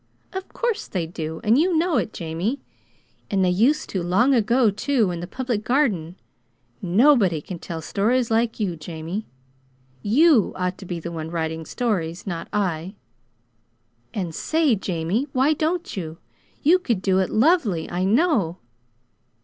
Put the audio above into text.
"Of course they do, and you know it, Jamie. And they used to long ago, too, in the Public Garden. Nobody can tell stories like you, Jamie. YOU ought to be the one writing stories; not I. And, say, Jamie, why don't you? You could do it lovely, I know!"